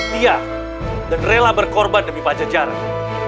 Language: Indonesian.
dan rela berkorban demi pajajaran